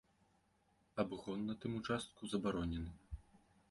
Абгон на тым участку забаронены.